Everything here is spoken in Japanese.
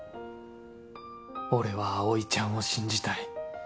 俺は葵ちゃんを信じたい